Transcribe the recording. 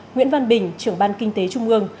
nguyễn văn bình trưởng ban kinh tế trung ương